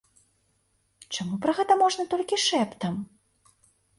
Чаму пра гэта можна толькі шэптам?